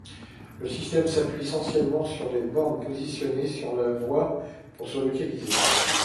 Le système s'appuie essentiellement sur des bornes positionnées sur la voie pour se localiser.